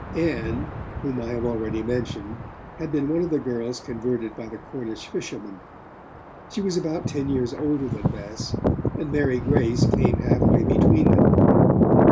Ann, whom I have already mentioned, had been one of the girls converted by the Cornish fishermen. She was about ten years older than Bess, and Mary Grace came halfway between them.